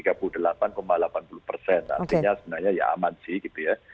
artinya sebenarnya ya aman sih gitu ya